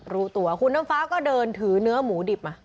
รู้ตัวคุณน้ำฟ้าก็เดินถือเนื้อหมูดิบมา